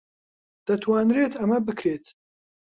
دەتوانرێت ئەمە بکرێت.